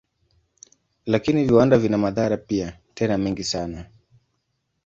Lakini viwanda vina madhara pia, tena mengi sana.